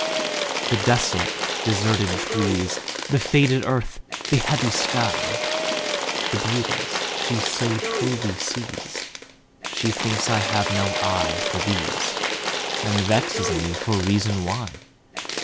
The desolate, deserted trees, The faded earth, the heavy sky, The beauties she so truly sees, She thinks I have no eye for these, And vexes me for reason why.